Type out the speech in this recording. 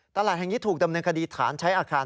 ตลาดแห่งนี้ถูกดำเนินคดีฐานใช้อาคาร